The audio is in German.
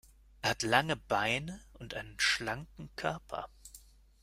Er hat lange Beine und einen schlanken Körper.